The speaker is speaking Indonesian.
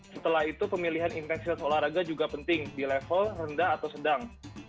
setelah itu pemilihan intensitas olahraga juga penting di level rendah atau sedang